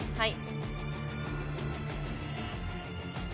はい！